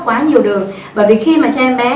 quá nhiều đường bởi vì khi mà cho em bé